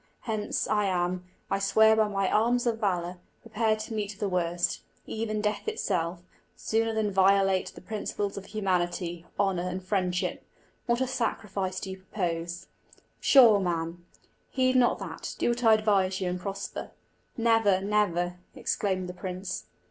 Hence, I am, I swear by my arms of valour, prepared to meet the worst even death itself sooner than violate the principles of humanity, honour, and friendship! What a sacrifice do you propose!" "Pshaw, man! heed not that; do what I advise you, and prosper." "Never! never!" exclaimed the prince.